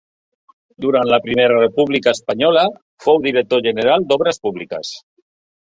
Durant la Primera República Espanyola fou director general d'Obres Públiques.